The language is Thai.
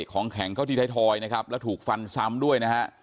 ของแข็งเข้าที่ไทยทอยนะครับแล้วถูกฟันซ้ำด้วยนะฮะ